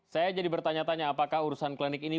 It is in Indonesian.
saya jadi bertanya tanya apakah urusan klinik ini